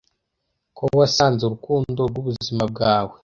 ko wasanze urukundo rwubuzima bwawe